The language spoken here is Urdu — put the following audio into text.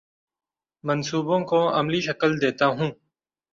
منصوبوں کو عملی شکل دیتا ہوں